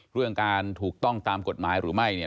เรื่องการถูกต้องตามกฎหมายหรือไม่เนี่ย